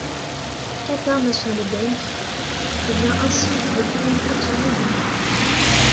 Qatar National Bank devient ainsi le premier actionnaire du Groupe.